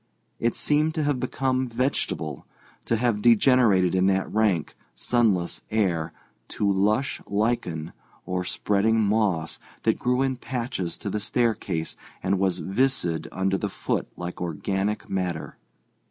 It seemed to have become vegetable; to have degenerated in that rank, sunless air to lush lichen or spreading moss that grew in patches to the staircase and was viscid under the foot like organic matter.